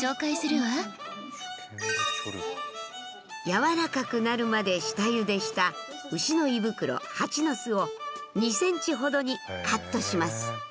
やわらかくなるまで下ゆでした牛の胃袋ハチノスを２ｃｍほどにカットします。